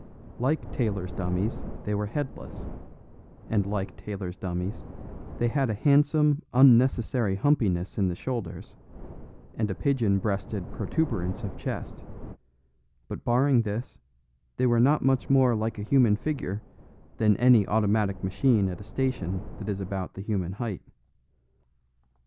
Like tailors' dummies they were headless; and like tailors' dummies they had a handsome unnecessary humpiness in the shoulders, and a pigeon breasted protuberance of chest; but barring this, they were not much more like a human figure than any automatic machine at a station that is about the human height.